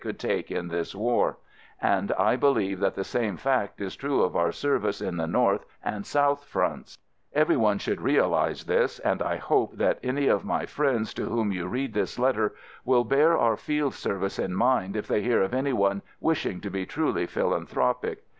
could take in this war, and I believe that the same fact is true of our Service in the north and south fronts. Every one should realize this, and I hope that any FIELD SERVICE 95 of my friends to whom you read this letter will bear our Field Service in mind if they hear of any one wishing to be truly philan thropic.